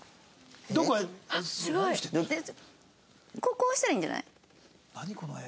こうしたらいいんじゃない？